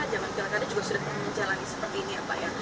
jaman kecil karya juga sudah menjalani seperti ini ya pak ya